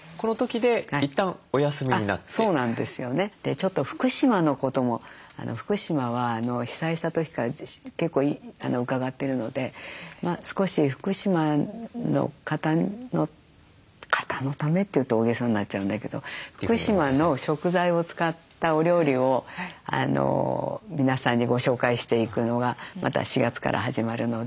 ちょっと福島のことも福島は被災した時から結構伺ってるので少し福島の方の方のためって言うと大げさになっちゃうんだけど福島の食材を使ったお料理を皆さんにご紹介していくのがまた４月から始まるので。